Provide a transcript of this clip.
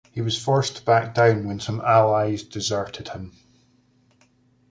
He was forced to back down when some allies deserted him.